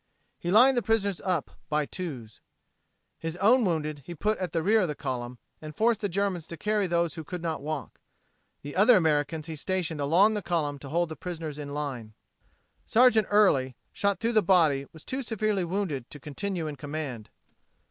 He lined the prisoners up "by twos." His own wounded he put at the rear of the column, and forced the Germans to carry those who could not walk. The other Americans he stationed along the column to hold the prisoners in line. Sergeant Early, shot through the body, was too severely wounded to continue in command.